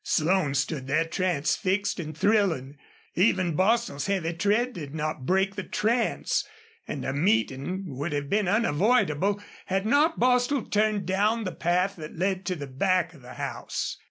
Slone stood there transfixed and thrilling. Even Bostil's heavy tread did not break the trance, and a meeting would have been unavoidable had not Bostil turned down the path that led to the back of the house.